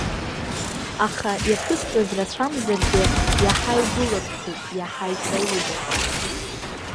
Аха иаԥысҵаз рацәамзаргьы, иаҳа игәылыршәоуп, иаҳа иҵаулоуп.